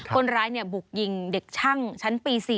คนร้ายบุกยิงเด็กช่างชั้นปี๔